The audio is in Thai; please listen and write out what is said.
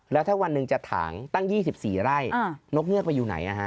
แล้วถ้าวันหนึ่งจะถางตั้ง๒๔ไร่นกเงือกไปอยู่ไหน